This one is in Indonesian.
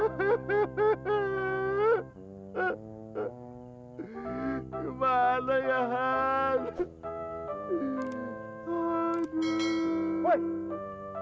tapi tapi gue juga nggak mau nyakitin dia hahaha